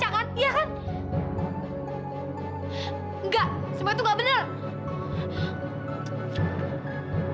kak juan ini itu tidak mungkin